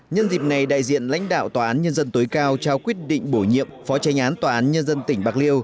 nhân dịp này đại diện lãnh đạo tòa án nhân dân tối cao trao quyết định bổ nhiệm phó tranh án tòa án nhân dân tỉnh bạc liêu